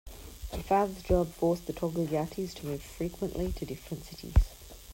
The father's job forced the Togliattis to move frequently to different cities.